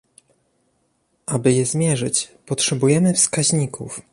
Aby je zmierzyć, potrzebujemy wskaźników